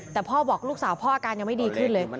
แต่พ่อบอกลูกสาวพ่ออาการยังไม่ดีขึ้นเลย